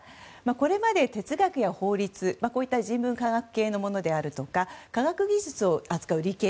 これまで、哲学や法律などこういった人文学系のものであるとか科学技術を扱う理系。